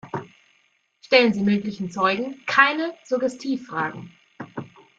Stellen Sie möglichen Zeugen keine Suggestivfragen.